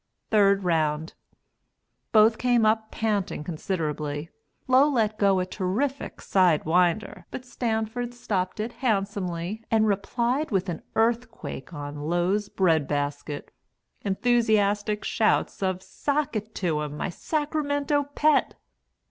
Third Round. Both came up panting considerably. Low let go a terrific side winder, but Stanford stopped it handsomely and replied with an earthquake on Low's bread basket. (Enthusiastic shouts of "Sock it to him, my Sacramento Pet!")